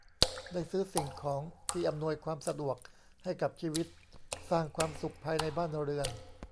ได้ซื้อสิ่งของที่อำนวยความสะดวกให้กับชีวิต สร้างความสุขภายในบ้านเรือน